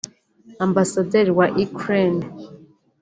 Ambasaderi wa Ukraine